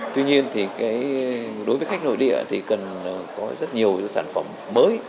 tuy nhiên thì đối với khách nội địa thì cần có rất nhiều những sản phẩm mới